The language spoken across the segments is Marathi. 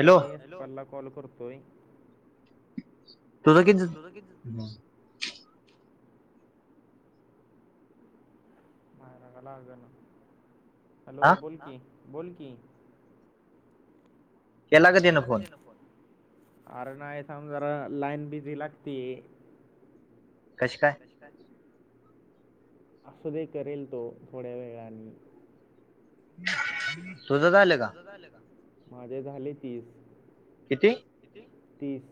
थांब मी [unintelligible] कॉल करतोय. तुझं किती म मायरा ला लाग ना हॅलो बोल की बोल की त्याला क देना फोन अरे नाय थांब जरा लाईन बिझी लागते. कशी काय काय असूदे करेल तो थोड्या वेळानी [unintelligible] तुझ झाल का माझे झाले तीस. किती तीस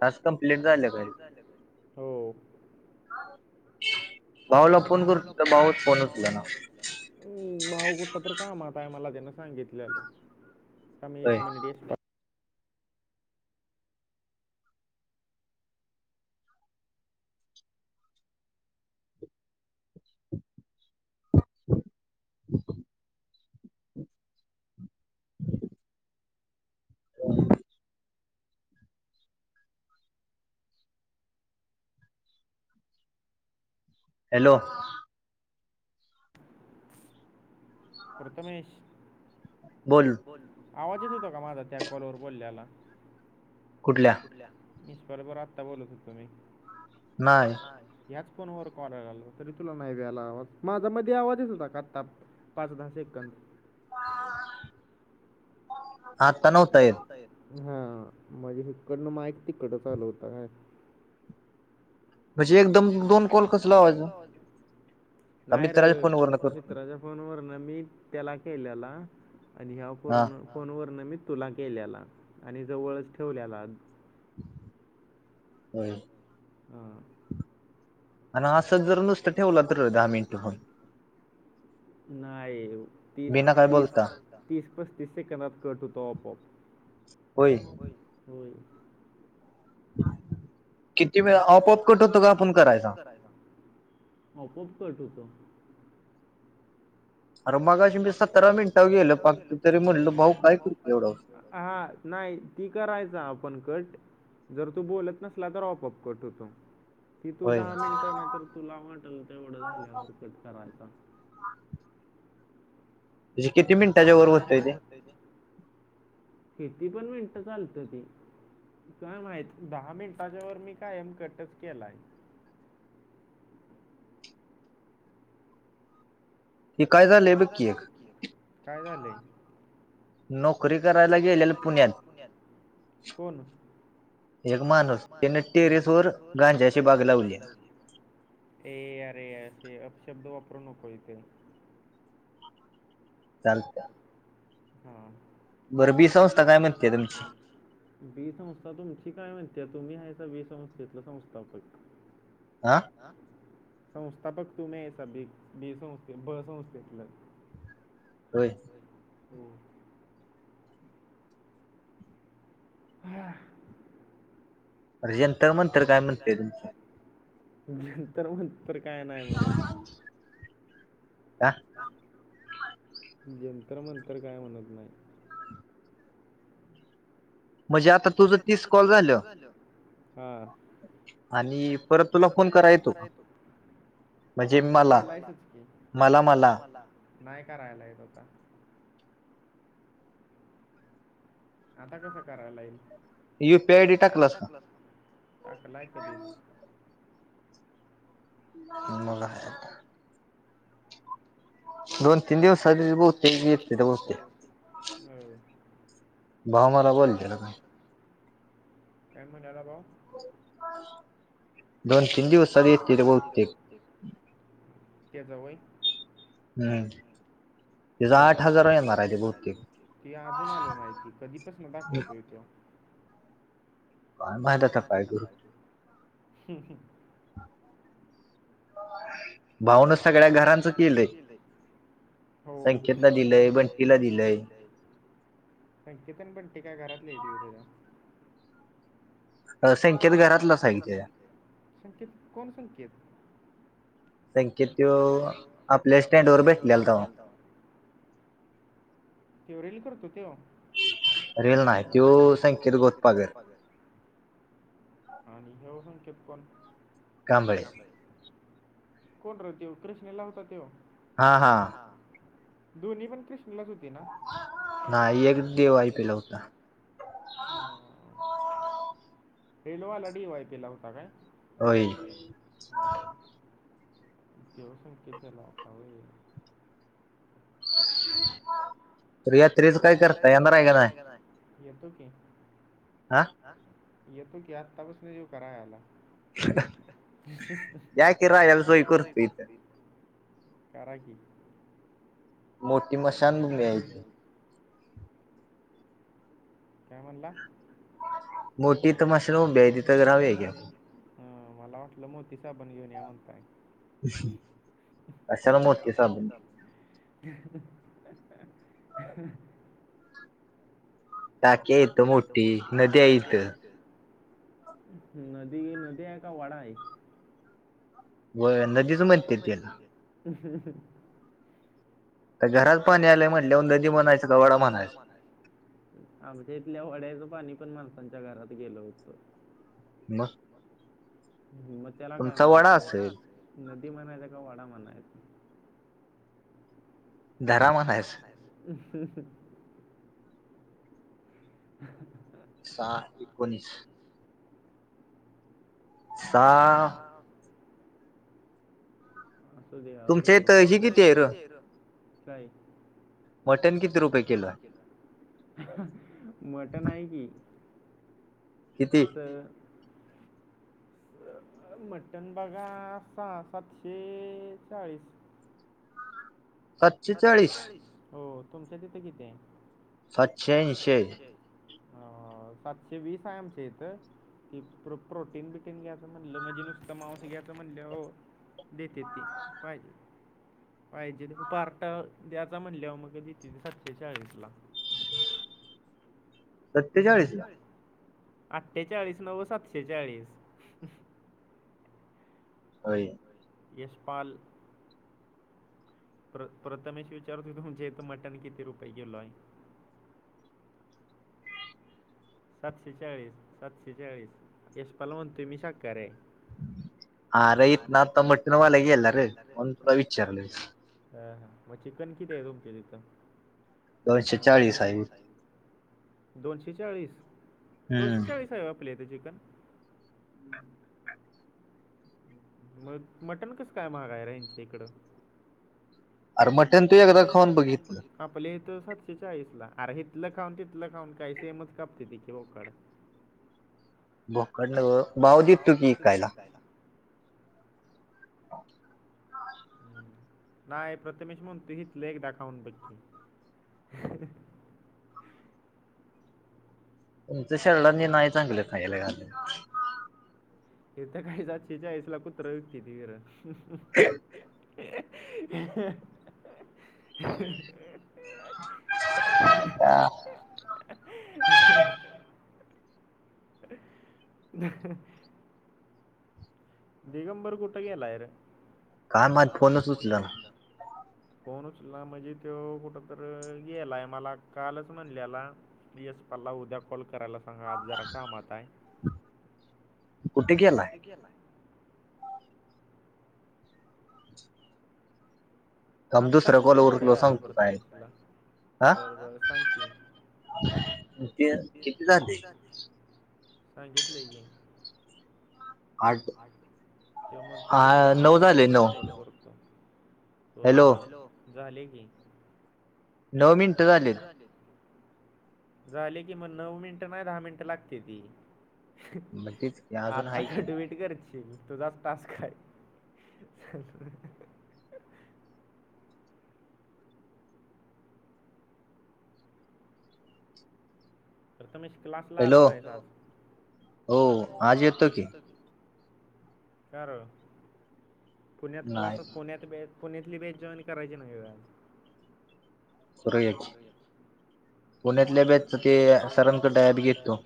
टास्क कंप्लीट झाले काय [unintelligible] हो भाऊला फोन कर तो तर भाऊच फोन उचल ना अं भाऊ कुठ तर कामात हाय मला त्यांन सांगितल्यालं थांब एक मिनिट यश ला [unintelligible] हॅलो प्रथमेश बोल आवाज येत होता का माझा त्या कॉलवर बोलल्याला कुठल्या? मिस कॉल वर आत्ता बोलत होतो मी नाय. नाय ह्याच फोन वर कॉल आल्याला तरी तुला नाय बि आवाज माझा मध्ये आवाजयेत होता का आता पाच दहा सेकंद [unintelligible] आता नव्हता येत हा म्हणजे हींकडनं माईक तिकड चालू होता काय म्हणजे एकदम दोन कॉल कस लावायच नायर मित्राच्या फोनवरून फोन वरन मी त्याला केलेला आणि ह्या फोर फोन वरण मी तुला केल्याला आणि जवळच ठेवल्याला होय. हा आणि असंच जर नुसतं ठेवलं तर दहा मिनिट फोन नाई तीस तीस तीस पस्तीस सेकंदात कट होतो आपोआप व्हय होय. किती वेळ ऑप ऑप कट होतो का आपण करायचा. [unintelligible] आपोआप कट होतो. अरे मगाशी मी सतरा मिनट गेल पाक तरी म्हटलं भाऊ काय करू एवढं उशीर. हा नाही ती करायचा आपण कट. जर तू बोलत नसला तर ऑपअप कट होतो. की तू दहा मिनटं नाही तर तुला वाटेल तेवढं झाल्या हरकत करायचा. मजे किती मिनिटाच्या वर होतंय ते. नाहीना. किती पण मिनटं चालत ती. काय माहित दहा मिनिटांच्या वर मी कायम कटच केलाय. हे काय चाललंय बघ की. काय झालंय. नोकरी करायला गेलेल पुण्यात कोण. एक माणूस त्याने टेरेस वर गांजाची बाग लावल्या. ते अरे ते अपशब्द वापरू नको इथ. चाल. चालतंय हा. बरबी संस्था काय म्हणत्यार. बी संस्था तुमची काय म्हणते तुम्ही ह्याचा बी संस्थेतला संस्थापक. आ. आ संस्थापक तुम्ही बी संस्थ ब संस्थेतला. होय. होम. हा. अरे जंतर मंतर काय म्हणतय. जंतर मंतर काय नाही म्हणत. जंतर मंतर काय म्हणत नाही. म्हणजे आता तुझं तीस कॉल झालं. हा आ. आणि परत तुला फोन करा येतो का. मता केलायचच की नाही का राहायला येत आता. आता कसं करायला ला येईल. यु पीआ आय डी टाकलास का. टाकालाय कादिच. ह मला हेत [inaudible] दोन तीन दिवसाची बहुतेक देतील हम्. भाऊ मला बोलत्याला काय. काय म्हला भाऊ. दोन तीन दिवसध येतर बहते. त्याचा होय. हम्म. आठ हजार येणार ते अजून आलं नाही कधीपासून दाखवते ते. माझ पा हं हं. भाऊन सगळ्या घरांच केलंय. हो अंकेतला दिलंय बटीला दिलंय. संकेतन पणते काय घरात लगा. अ संकेत घरातचला हाय की त्याच्या. संकेत कोण संकेत. संकेतो आपल्या स्टँड वर भेटलेला तवा. ते रेल करतो तेव. रियल नाही ते वो संकेत गोत पागल. आणि हेव संकेत कोण. काांबळे कोण राते कृष्णाला होता तेव ह ह दधोनी पण कृष्णालाच होती ना नाही एक देव ऐ पला होता ह रेल्वा ला लडी वयपला होत काय हो हो दिवसंख्येतला पावे पड पड पाणी र यात्रीच काय करताय येणार आहे का ना येतो की येतोकी आता पसनच येवु काय राहायला या किराया वि सोई करत कराकी मोठी मशान बघ मिळायची काय म्हला मोठी तर मशरूम ब्या त तर गरावे ग्या ह मला वाटलं मो तिसा आपण घेऊन या म्हणताय अच्छा ना हॉस्पिटल ह टाक्या यथं मोठी नदी्या इथं नदी नदी आहे का वाडा आहे व नदीच म्हणते तिला ह तर घरात पाणी आलंय म्हटल्या नदी म्हणायचं गवाडा म्हणायचं आमच्या इथल्या वड्याचं पाणी पण माणसांच्या घरात गेल होतं ना मग त्याला काय म्हणायचं नदी म्हणायचं का वाडा म्हणायचा दरा मणस ह सहा एकोणीस सहा असू दे असू देती का मटन किती रुपये किलो आहे मटण आहे की किती तर मट्टण बागा स सातशे चाळीस सातशेचाळीस हो तुमच्या तिथे किती आहे सातशेऐंशीे ह सातशे वीसायामचेेत ती प्र प्रोटीन बिटीन घ्यायचं म्हणलं म्हणजे नुसतं मांस घ्यायचं म्हणलं हो देतेत फयज फायजी पार्ट द्याचा म्हणले मग दती सातशे चाळीस ला अठ्ठेचाळीस अठ्ठेचाळीस नव सातशेचाळीस अ येसपाल प्र प्रथमेश विचारतो तुमचे इथ मटन किती रुपये कलो आहे सातशे चाळीस सातशे चाळीस यशपाल म्हणतोय मी शाखकार आहे हा र इत ना त मटन वालग येलर न थला विचारली हा हा मग चिकन किती आहे तुमते तिथं दोनशे चाळीस आई. दोनशे चाळीस दोनशे चाळीस आहेवा प्ले ते चिकन मग मटण कसं काय महागाय रच इकडं. अर मठण तू एकदा खाऊन बघितलं. आपले तर सातशे चाळीस ला अरे हथलं खाऊन तिथलं खाऊन काही सेमच कापते ति की कड. भकडन भाऊ दित तू किकाायला नाही प्रथमेश म्हून तु हच लेख दाखवून बकी तमच शरलानी नाही चांगलं खायलाा. एकथ काहीचातशे चाळीस ला कुत्रा विकती त वर ह. ह. अ का? [unintelligible] ह. दिगंबर कुठगलायर काय माझ फोनच सुचल ना. फोन उचला म्हणजे तो कुठ तर गेलाय मला कालच म्हणलेला. येस पला उद्या कॉल करायला ग आज जरा काम आता आहे कुठे गलाय. आत्ता ख क थोडे्या व परफॉर्मेन्सला बरोबर सांग कि सांगितलं गे. ते म ते दुसऱ्या पतो होय होय झाले की नऊ मिनटं झाले. झाले की मग नऊ मिनिट नाही दहा मिनिट लागते ती म्हण तच क अजून आहे की करची तो जास्त तास खय तर त मशी क्लास ला आला नाही. हो आज येतो की कार पुण्यात क्लासात पुण्यात वेेत. पुण्यातली बेज जॉईन करायची नाही वे स याची पुण्यातल्या बॅचच ते सरांक डायबीीेत तो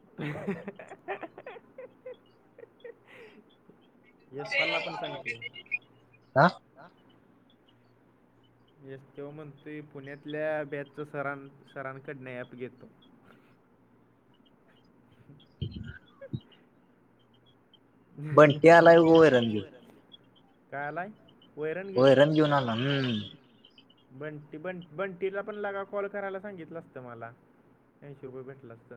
[unintelligible] येश पल्ला पण सांग क हा. येस तेव्हा मग तू पुण्यातल्या बॅचच सर सरांकडणे ॲप घेतो. [unintelligible] ला कायलाय. वयरण घेऊनरणेन बंटी बं बंटीला पणगा कॉल करायला सांगितलं असतं मला अऐंशी रपये भेटला असता.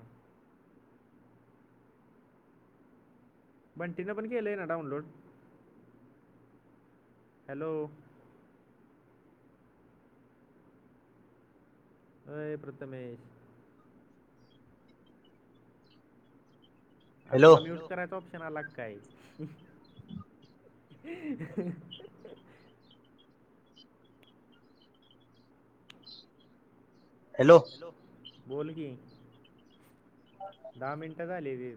बंटीनें पण केलंय ना डाउनलोड हॅलो. अय प्रथमेश अरे तुला म्यूट करायचा ऑप्शन आला काय? हॅलो. हॅलो बोल की दहा मिनटदा लवे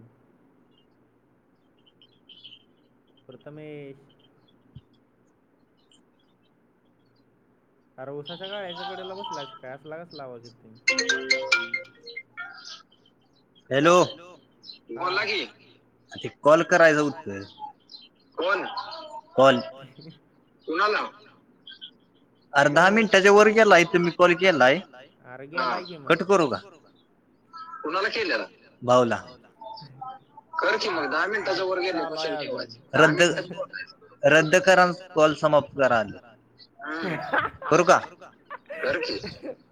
प्रथमेश अर उसाच्या गळ्याच्या कडेला बसला काॅस लागसला आवाजेत हॅलो गला की अ ते कॉल करायचं होतत कॉल कॉल. शणाला अर दहा मिनिटाच्या वर गेलाय त म्ी कॉल केलाय कट करू का? कणाला केल्या ना भाऊला ख क मग दहा मिनिटांर गेले क ठ रद्द रद्द करां कॉल समाप्त समप कराली मृगा